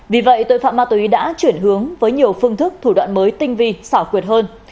vì vậy tội phạm ma túy đã chuyển hướng với nhiều phương thức thủ đoạn mới tinh vi xảo quyệt hơn